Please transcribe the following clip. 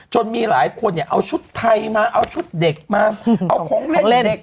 จนมีหลายคนเอาชุดไทยมาชุดเด็กมาเอาของเล่นเด็ก